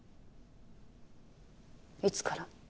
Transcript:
いつから？